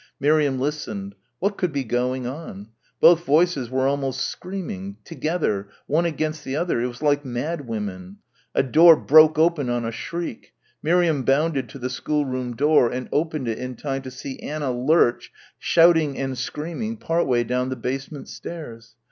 Miriam listened. What could be going on? ... both voices were almost screaming ... together ... one against the other ... it was like mad women.... A door broke open on a shriek. Miriam bounded to the schoolroom door and opened it in time to see Anna lurch, shouting and screaming, part way down the basement stairs.